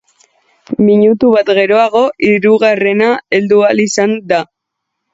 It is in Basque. Minutu bat geroago hirugarrena heldu ahal izan da.